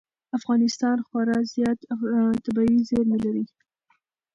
افغانستان خورا زیات طبعي زېرمې لري.